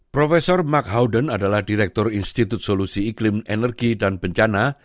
profesor mark howden adalah direktur institut solusi iklim energi dan bencana